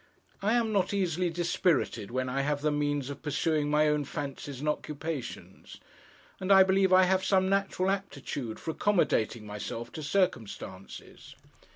I am not easily dispirited when I have the means of pursuing my own fancies and occupations; and I believe I have some natural aptitude for accommodating myself to circumstances.